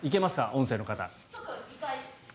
音声の方。